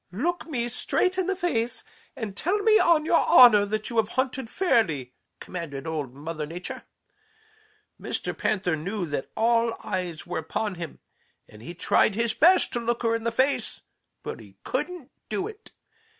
"'Look me straight in the face and tell me on your honor that you have hunted fairly,' commanded Old Mother Nature. Mr. Panther knew that all eyes were upon him, and he tried his best to look her in the face, but he couldn't do it.